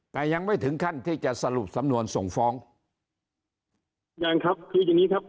แต่ยังไม่ถึงขั้นที่จะสรุปสำนวนส่งฟ้องยังครับคืออย่างงี้ครับ